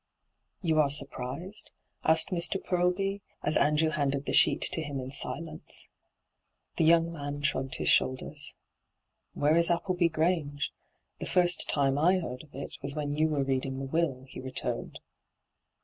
' You are surprised ?' asked Mr. Purlby, as Andrew handed the sheet to him in silence. The young man shrugged his shoulders. * Where is Appleby Grange ? The first time I heard of it was when you were reading the will,' he returned.